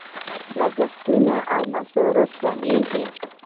لګښتونه او مصارف کمیږي.